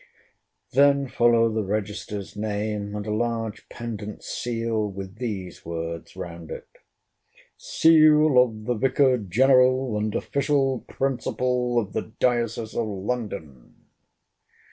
Then follow the register's name, and a large pendent seal, with these words round it—SEAL OF THE VICAR GENERAL AND OFFICIAL PRINCIPAL OF THE DIOCESE OF LONDON.